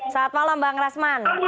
selamat malam bang rasman